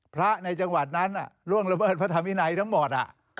พระในจังหวัดนั้นล่วงระเบิดพระธรรมวินัยทั้งหมด